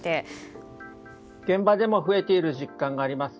現場でも増えている実感があります。